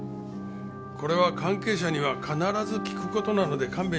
これは関係者には必ず聞く事なので勘弁してください。